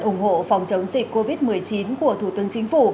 ủng hộ phòng chống dịch covid một mươi chín của thủ tướng chính phủ